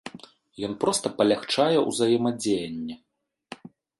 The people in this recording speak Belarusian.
Ён проста палягчае ўзаемадзеянне.